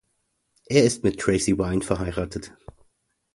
Er ist mit Tracy Winde verheiratet.